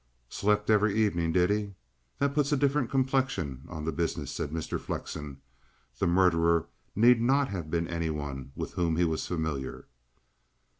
"Slept every evening, did he? That puts a different complexion on the business," said Mr. Flexen. "The murderer need not have been any one with whom he was familiar."